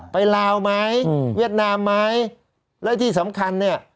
ลาวไหมเวียดนามไหมและที่สำคัญเนี่ย